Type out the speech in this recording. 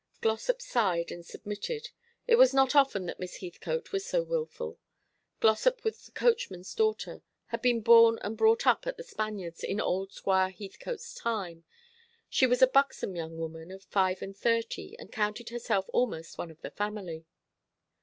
Glossop sighed and submitted. It was not often that Miss Heathcote was so wilful. Glossop was the coachman's daughter, had been born and brought up at The Spaniards, in old Squire Heathcote's time. She was a buxom young woman of five and thirty, and counted herself almost one of the family.